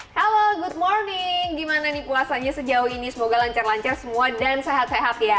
halo good morning gimana nih puasanya sejauh ini semoga lancar lancar semua dan sehat sehat ya